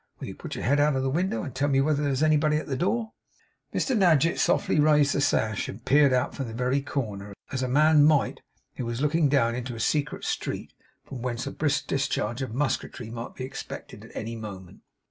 Will you put your head out of window, and tell me whether there is anybody at the door?' Mr Nadgett softly raised the sash, and peered out from the very corner, as a man might who was looking down into a street from whence a brisk discharge of musketry might be expected at any moment.